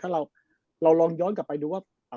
ถ้าเราลองย้อนกลับไปดูว่า